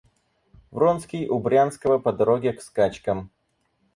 Вронский у Брянского по дороге к скачкам.